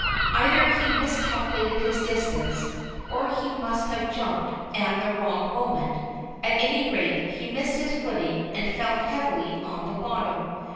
Either he miscalculated his distance, or he must have jumped at the wrong moment; at any rate, he missed his footing, and fell heavily on to the bottom.